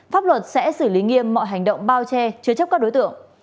pháp luật sẽ xử lý nghiêm mọi hành động bao che chứa chấp các đối tượng